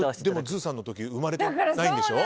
でもＺＯＯさんの時生まれてないんでしょ？